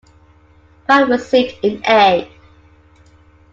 Parr received an A.